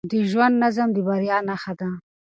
د ژوند نظم د بریا نښه ده.